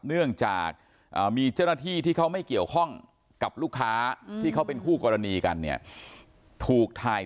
เนื่องจากมีเจ้าหน้าที่ที่เขาไม่เกี่ยวข้องกับลูกค้าที่เขาเป็นคู่กรณีกันเนี่ยถูกถ่าย